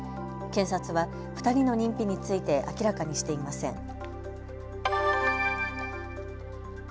検察は２人の認否について明らかにしていません。